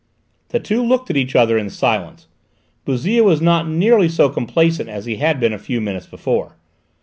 The two looked at each other in silence. Bouzille was not nearly so complacent as he had been a few minutes before.